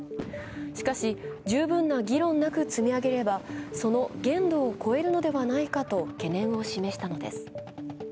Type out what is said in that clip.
しかし十分な議論なく積み上げればその限度を超えるのではないかと懸念を示したのです。